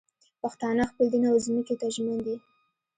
پښتانه خپل دین او ځمکې ته ژمن دي